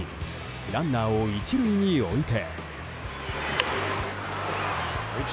ランナーを１塁に置いて。